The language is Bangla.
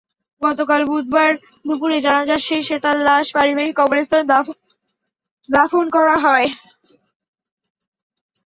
গতকাল বুধবার দুপুরে জানাজা শেষে তাঁর লাশ পারিবারিক কবরস্থানে দাফন করা হয়।